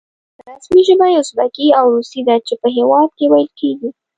رسمي ژبه یې ازبکي او روسي ده چې په هېواد کې ویل کېږي.